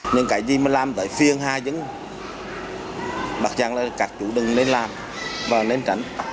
những cái gì mà làm tới phiêng hai chứng đặc trang là các chủ đừng nên làm và nên tránh